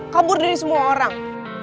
kabur dari semua orang